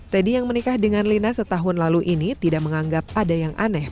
teddy yang menikah dengan lina setahun lalu ini tidak menganggap ada yang aneh